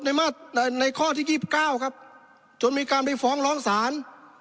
ในข้อที่๒๙ครับ